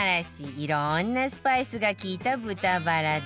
いろんなスパイスが利いた豚バラ丼